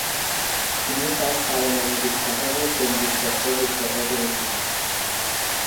তিনি তার "পারমাণবিক কাঠামোর কেন্দ্রীক তত্ত্ব" রূপরেখা করেছিলেন।